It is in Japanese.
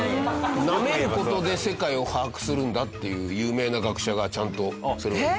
なめる事で世界を把握するんだっていう有名な学者がちゃんとそれを言ってるんですよ。